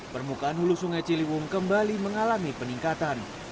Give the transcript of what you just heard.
permukaan hulu sungai ciliwung kembali mengalami peningkatan